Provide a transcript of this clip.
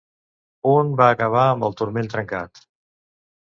Un va acabar amb el turmell trencat.